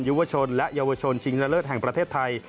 ยุวชนและเยาวชนชิงละเลิศแห่งประเทศไทย